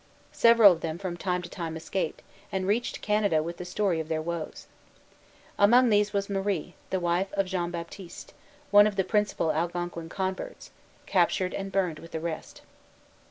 Several of them from time to time escaped, and reached Canada with the story of their woes. Among these was Marie, the wife of Jean Baptiste, one of the principal Algonquin converts, captured and burned with the rest.